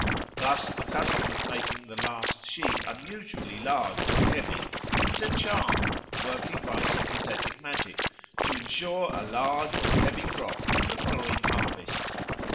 Thus the custom of making the last sheaf unusually large or heavy is a charm, working by sympathetic magic, to ensure a large and heavy crop at the following harvest.